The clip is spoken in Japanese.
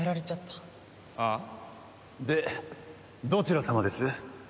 あ？でどちら様です？